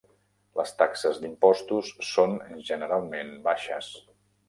Les taxes d'impostos són generalment baixes.